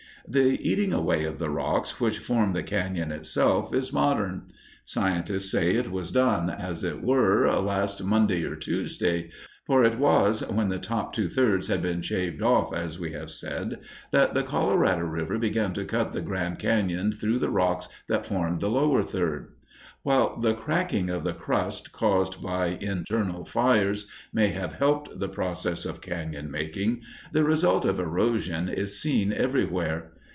The eating away of the rocks which formed the cañon itself is modern. Scientists say it was done, as it were, last Monday or Tuesday, for it was when the top two thirds had been "shaved off," as we have said, that the Colorado River began to cut the Grand Cañon through the rocks that formed the lower third. While the cracking of the crust, caused by internal fires, may have helped the process of cañon making, the result of erosion is seen everywhere.